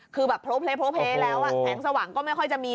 คือแบบโพลเพลแล้วแสงสว่างก็ไม่ค่อยจะมี